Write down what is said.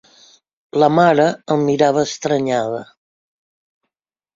La mare, el mirava estranyada